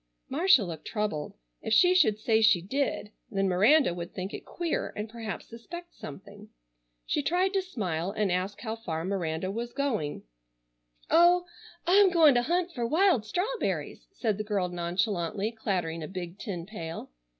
Marcia looked troubled. If she should say she did then Miranda would think it queer and perhaps suspect something. She tried to smile and ask how far Miranda was going. "Oh, I'm goin' to hunt fer wild strawberries," said the girl nonchalantly clattering a big tin pail.